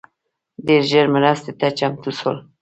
ډېر ژر مرستي ته چمتو سول